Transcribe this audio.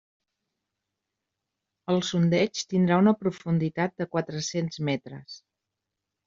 El sondeig tindrà una profunditat de quatre-cents metres.